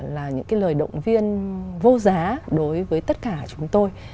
là những cái lời động viên vô giá đối với tất cả chúng tôi